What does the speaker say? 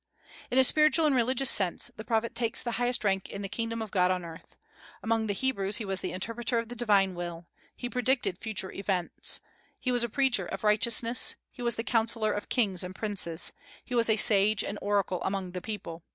In a spiritual and religious sense the prophet takes the highest rank in the kingdom of God on earth. Among the Hebrews he was the interpreter of the divine will; he predicted future events. He was a preacher of righteousness; he was the counsellor of kings and princes; he was a sage and oracle among the people.